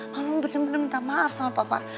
mama bener bener minta maaf sama papa